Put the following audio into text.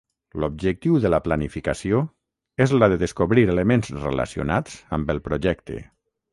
L'objectiu de la planificació és la de descobrir elements relacionats amb el projecte.